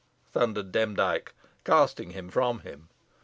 thundered Demdike, casting him from him.